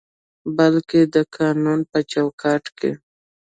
بلکې د قانون په چوکاټ کې